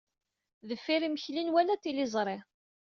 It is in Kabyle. Deffir yimekli, nwala tiliẓri.